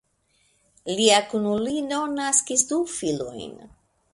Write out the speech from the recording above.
Lia kunulino naskis du filojn.